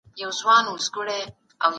ژوند د یو مسافر د سیوري په څېر دی.